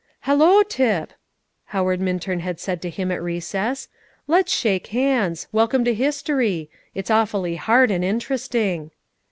"Hallo, Tip!" Howard Minturn had said to him at recess; "let's shake hands. Welcome to history; it's awfully hard and interesting."